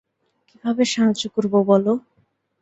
কীভাবে সাহায্য করবো বলো?